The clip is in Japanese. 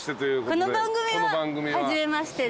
この番組は初めまして。